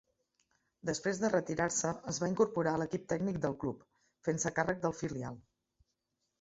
Després de retirar-se es va incorporar a l'equip tècnic del club, fent-se càrrec del filial.